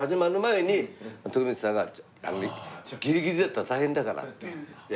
徳光さんがギリギリだったら大変だからって。